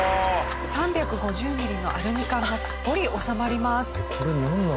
３５０ミリのアルミ缶がすっぽり収まります。